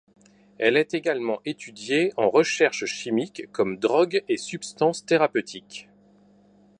Elle est également étudiée en recherche chimique comme drogue et substance thérapeutique.